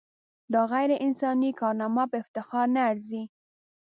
دا غیر انساني کارنامه په افتخار نه ارزي.